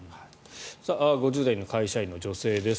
５０代の会社員の女性です。